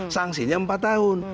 sanksinya empat tahun